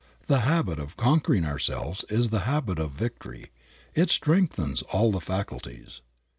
The habit of conquering ourselves is the habit of victory; it strengthens all the faculties.